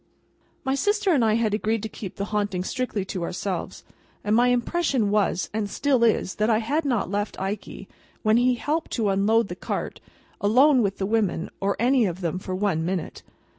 My sister and I had agreed to keep the haunting strictly to ourselves, and my impression was, and still is, that I had not left Ikey, when he helped to unload the cart, alone with the women, or any one of them, for one minute.